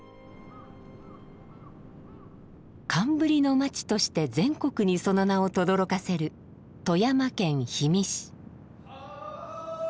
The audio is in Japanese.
寒ブリの町として全国にその名をとどろかせる富山県氷見市。